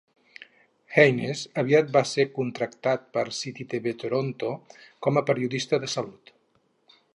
Haines aviat va ser contractat per Citytv Toronto com a periodista de salut.